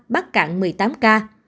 bắc cạn một mươi tám ca